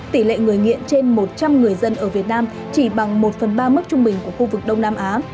tỷ lệ người nghiện trên một trăm linh người dân ở việt nam chỉ bằng một phần ba mức trung bình của khu vực đông nam á